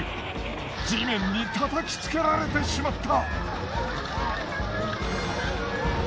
地面に叩きつけられてしまった。